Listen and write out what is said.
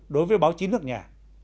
đối với báo chí nước nhà